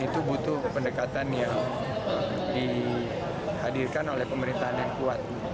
itu butuh pendekatan yang dihadirkan oleh pemerintahan yang kuat